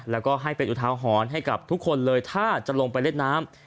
แล้วก็ให้เป็นอุทาหรณ์ให้กับทุกคนเลยถ้าจะลงไปเล่นน้ำ